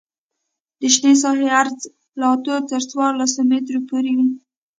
د شنې ساحې عرض له اتو تر څوارلس مترو پورې وي